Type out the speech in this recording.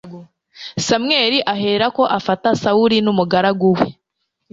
samweli aherako afata sawuli n'umugaragu we